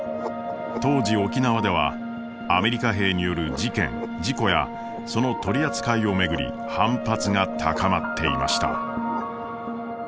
当時沖縄ではアメリカ兵による事件・事故やその取り扱いを巡り反発が高まっていました。